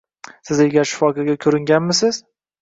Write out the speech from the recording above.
Siz ilgari shifokorga ko'ringanmisiz?